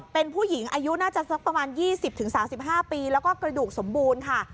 เป็นผู้หญิงอายุน่าจะสักประมาณ๒๐๓๕ปีแล้วก็กระดูกสมบูรณ์ค่ะ